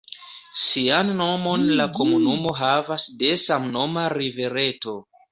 Sian nomon la komunumo havas de samnoma rivereto.